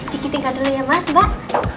kita tinggal dulu ya mas mbak